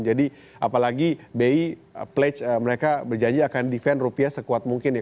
jadi apalagi bi pledge mereka berjanji akan defend rupiah sekuat mungkin ya